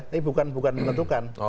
ini bukan menentukan